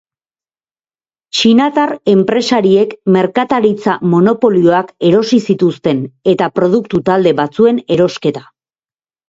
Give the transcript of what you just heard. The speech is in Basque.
Txinatar enpresariek merkataritza-monopolioak erosi zituzten eta produktu-talde batzuen erosketa.